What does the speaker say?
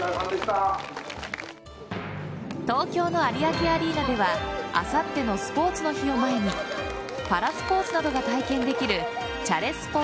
東京の有明アリーナではあさってのスポーツの日を前にパラスポーツなどが体験できるチャレスポ！